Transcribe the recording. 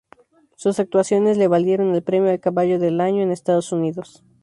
Sus actuaciones le valieron el premio al "Caballo del Año" en Estados Unidos.